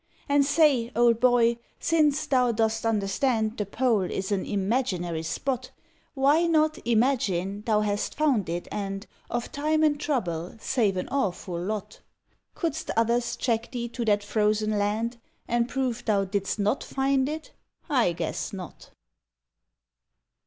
And, say! old boy, since thou dost understand The pole is an imaginary spot, Why not " imagine " thou hast found it and Of time and trouble save an awful lot? Couldst others track thee to that frozen land And prove thou didst not find it? I guess not!